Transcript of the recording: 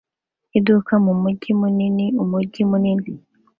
iduka mumujyi munini umujyi munini